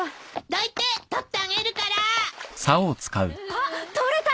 あっ取れた！